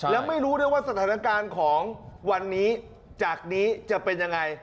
แล้วไม่รู้ด้วยว่าสถานการณ์ของวันนี้จากนี้จะเป็นยังไง